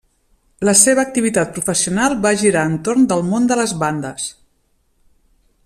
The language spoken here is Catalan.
La seva activitat professional va girar entorn del món de les bandes.